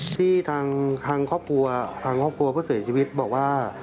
ที่ทางครอบครัวเพื่อเสียชีวิตบอกว่า